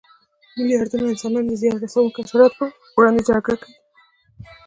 میلیاردونه انسانانو د زیان رسونکو حشراتو پر وړاندې جګړه کړې.